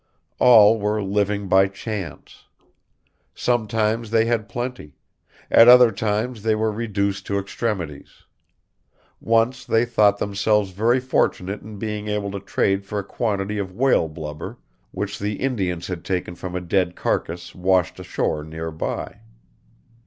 All were living by chance. Sometimes they had plenty; at other times they were reduced to extremities. Once they thought themselves very fortunate in being able to trade for a quantity of whale blubber which the Indians had taken from a dead carcass washed ashore near by.